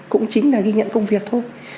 cũng chính là ghi nhận công việc thôi